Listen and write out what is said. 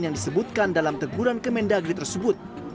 yang disebutkan dalam teguran kemendagri tersebut